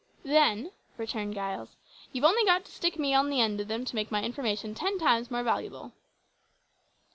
"Then," returned Giles, "you've only got to stick me on to the end of them to make my information ten times more valuable."